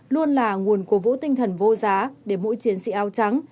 luôn là nguồn của vũ tinh thần vô giá để mỗi chiến sĩ ao trắng